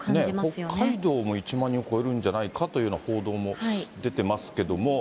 北海道も１万人を超えるんじゃないかという報道も出てますけども。